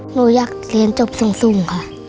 หนูอยากเรียนจบสูงค่ะ